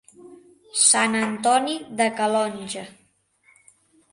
Sant Antoni de Calonge.